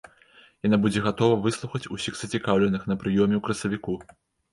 Яна будзе гатова выслухаць усіх зацікаўленых на прыёме ў красавіку.